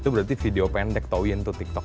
itu berarti video pendek touin tuh tiktok